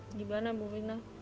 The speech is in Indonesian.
bagaimana ibu rina